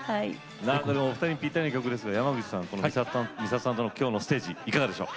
お二人にぴったりの曲ですが山口さん美里さんとの今日のステージいかがでしょう？